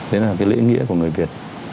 đấy là cái lễ nghĩa của người việt